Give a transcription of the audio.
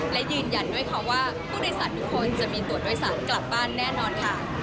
และยืนยันด้วยค่ะว่าผู้โดยสารทุกคนจะมีตัวโดยสารกลับบ้านแน่นอนค่ะ